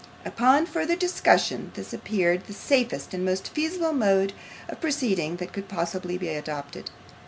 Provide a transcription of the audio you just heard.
Upon further discussion, this appeared the safest and most feasible mode of proceeding that could possibly be adopted.